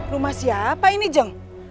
rumah siapa ini jeng